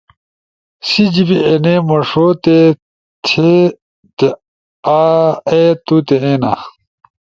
سی جیبے اینے موݜوتتے تھے تے آے توتے اینا۔